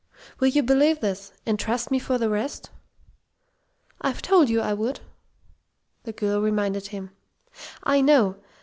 Will you believe this and trust me for the rest?" "I've told you I would!" the girl reminded him. "I know.